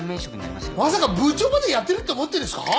まさか部長までやってるって思ってんですか！？